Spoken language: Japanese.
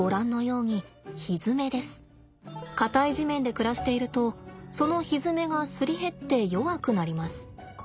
硬い地面で暮らしているとそのひづめがすり減って弱くなります。